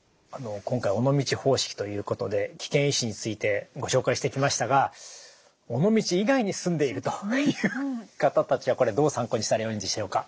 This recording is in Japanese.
今回尾道方式ということで危険因子についてご紹介してきましたが尾道以外に住んでいるという方たちはこれどう参考にしたらよいでしょうか？